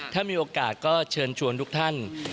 ถ้ามีโอกาสก็เชิญชวนทุกท่าน